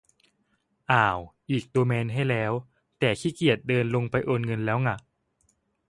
อ่าว อีกโดเมนให้แล้ว แต่ขี้เกียจเดินลงไปโอนแล้วง่ะ